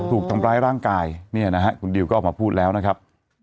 ถูกทำร้ายร่างกายเนี่ยนะฮะคุณดิวก็ออกมาพูดแล้วนะครับ